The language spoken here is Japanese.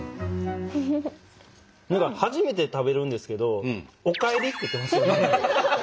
何か初めて食べるんですけど「おかえり」って言ってますよね。